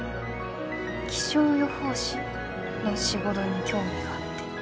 気象予報士の仕事に興味があって。